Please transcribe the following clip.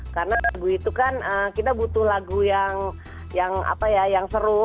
karena lagu itu kan kita butuh lagu yang seru